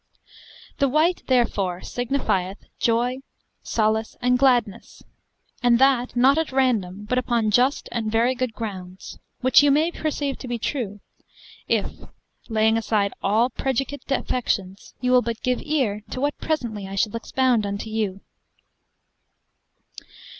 The white therefore signifieth joy, solace, and gladness, and that not at random, but upon just and very good grounds: which you may perceive to be true, if laying aside all prejudicate affections, you will but give ear to what presently I shall expound unto you.